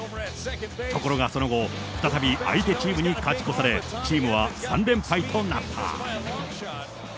ところがその後、再び相手チームに勝ち越され、チームは３連敗となった。